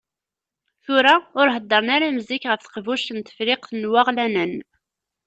Tura ur heddren ara am zik ɣef Teqbuct n Tefriqt n Waɣlanen.